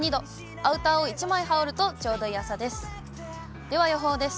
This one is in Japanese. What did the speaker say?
アウターを１枚羽織るとちょうどいい朝です。